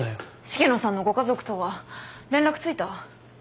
重野さんのご家族とは連絡ついた？